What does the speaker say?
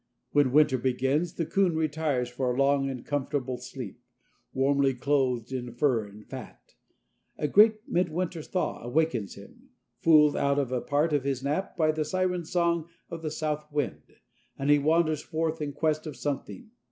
When winter begins, the coon retires for a long and comfortable sleep, warmly clothed in fur and fat. A great midwinter thaw awakens him, fooled out of a part of his nap by the siren song of the south wind, and he wanders forth in quest of something.